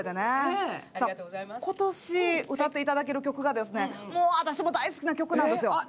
今年、歌っていただける曲が私も大好きな曲なんですよ。